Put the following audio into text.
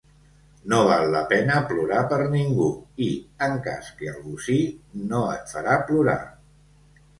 No val la pena plorar per ningú i, en cas que algú sí, no et farà plorar.